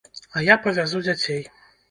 А я павязу дзяцей.